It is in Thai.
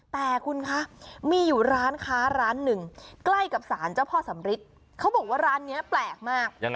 แต่คุณคะมีอยู่ร้านค้าร้านหนึ่งใกล้กับสารเจ้าพ่อสำริทเขาบอกว่าร้านนี้แปลกมาก